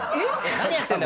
何やってんだ？